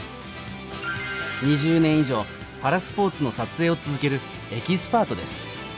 ２０年以上、パラスポーツの撮影を続けるエキスパートです。